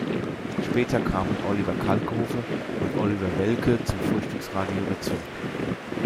Später kamen Oliver Kalkofe und Oliver Welke zum Frühstyxradio dazu.